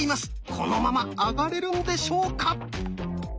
このままあがれるんでしょうか